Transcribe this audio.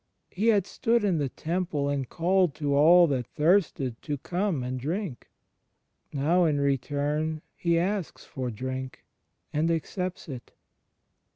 He had stood in the Temple and called to all that thirsted to come and drink. Now, in return, He asks for drink, and accepts it.